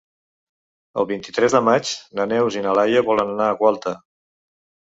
El vint-i-tres de maig na Neus i na Laia volen anar a Gualta.